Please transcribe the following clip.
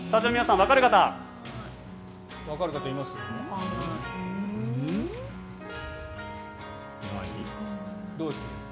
わかる方います？